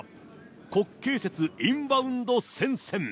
国慶節インバウンド戦線。